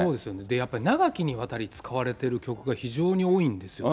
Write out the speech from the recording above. やっぱり長きにわたり使われてる曲が非常に多いんですよね。